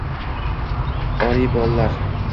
Ори борлар